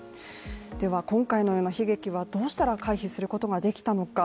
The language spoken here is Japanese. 今回のような悲劇はどうしたら回避することができたのか